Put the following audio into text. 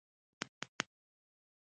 هغه خپله خبره بند کړه.